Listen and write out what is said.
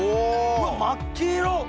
うわっ真っ黄色！